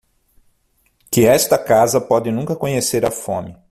Que esta casa pode nunca conhecer a fome.